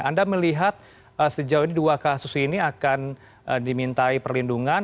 anda melihat sejauh ini dua kasus ini akan dimintai perlindungan